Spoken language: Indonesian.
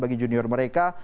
bagi junior mereka